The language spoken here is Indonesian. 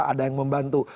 ada yang membantu